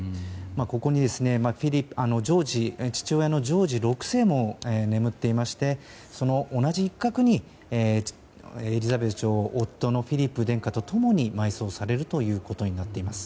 ここに父親のジョージ６世も眠っていましてその同じ一角にエリザベス女王は夫のフィリップ殿下と共に埋葬されることになっています。